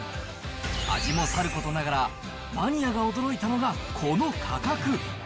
味もさることながら、マニアが驚いたのが、この価格。